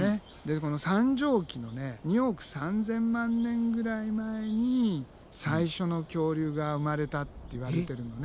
この三畳紀の２億３，０００万年ぐらい前に最初の恐竜が生まれたっていわれてるのね。